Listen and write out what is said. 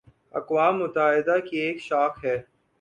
اقوام متحدہ کی ایک شاخ ہے